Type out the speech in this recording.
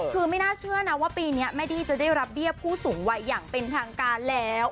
คือไม่น่าเชื่อนะว่าปีนี้แม่ดี้จะได้รับเบี้ยผู้สูงวัยอย่างเป็นทางการแล้ว